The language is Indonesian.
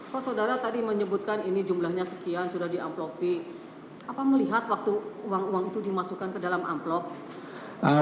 kok saudara tadi menyebutkan ini jumlahnya sekian sudah diamplopi apa melihat waktu uang uang itu dimasukkan ke dalam amplop